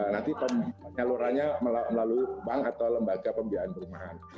nanti penyalurannya melalui bank atau lembaga pembiayaan perumahan